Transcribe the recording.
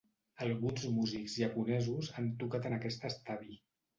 Alguns músics japonesos han tocat en aquest estadi.